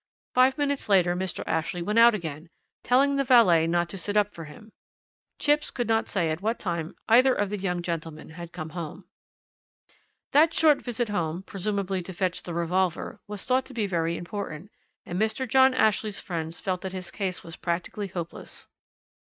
Five minutes later Mr. Ashley went out again, telling the valet not to sit up for him. Chipps could not say at what time either of the young gentlemen had come home. "That short visit home presumably to fetch the revolver was thought to be very important, and Mr. John Ashley's friends felt that his case was practically hopeless.